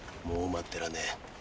もう待ってらんねえ